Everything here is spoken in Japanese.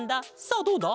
さあどうだ？